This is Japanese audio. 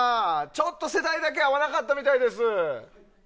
ちょっと世代だけ合わなかったみたいです。